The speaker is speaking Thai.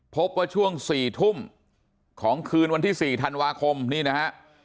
พบว่าช่วง๔ทุ่มของคืนวันที่๔ธันวาคมนี่นะฮะ